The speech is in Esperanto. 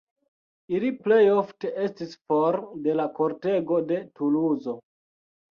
Ili plej ofte estis for de la kortego de Tuluzo.